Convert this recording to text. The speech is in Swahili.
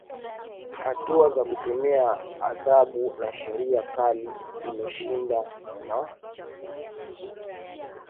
hatua za kutumia adhabu na sheria kali imeshindwa na